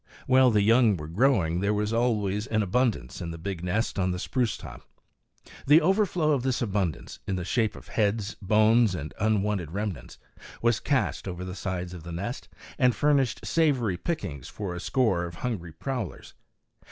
While the young were growing there was always an abundance in the big nest on the spruce top. The overflow of this abundance, in the shape of heads, bones and unwanted remnants, was cast over the sides of the nest and furnished savory pickings for a score of hungry prowlers.